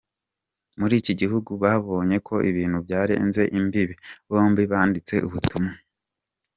muri iki gihugu babonye ko ibintu byarenze imbibi, bombi banditse ubutumwa.